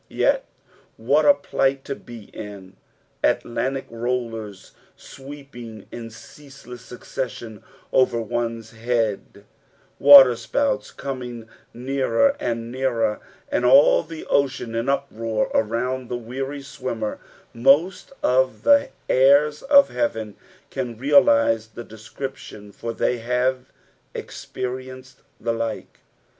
Yet what a plight to be in I Atlantic rollers sweep ing in ceaseless succession over one's head, waterspouts coming nearer and nearer, and all the ocean in uproar around the weary swimmer ; most of the beirs of heaven can realise the description, for they have experienced the like.